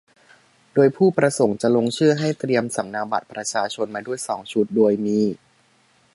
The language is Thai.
โดยผู้ประสงค์จะลงชื่อ ให้เตรียมสำเนาบัตรประชาชนมาด้วยสองชุด โดยมี